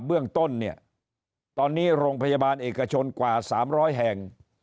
เบื้องต้นเนี่ยตอนนี้โรงพยาบาลเอกชนกว่า๓๐๐แห่ง